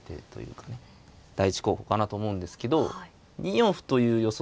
第１候補かなと思うんですけど２四歩という予想